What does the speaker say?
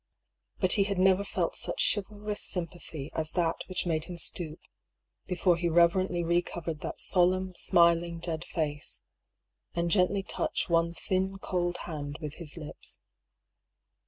But he had never felt such chivalrous sympathy as that which made him stoop— before he reverently re covered that solemn, smiling dead face — and gently touch one thin cold hand with his lips.